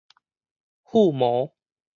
附魔